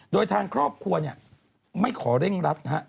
โดยทางครอบครัวไม่ขอเร่งรัดนะฮะ